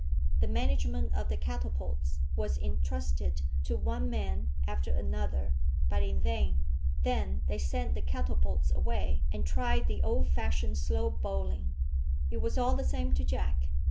The management of the catapults was intrusted to one man after another, but in vain. Then they sent the catapults away, and tried the old fashioned slow bowling. It was all the same to Jack.